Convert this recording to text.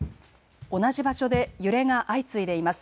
同じ場所で揺れが相次いでいます。